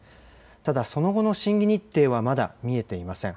ただ、その後の審議日程はまだ見えていません。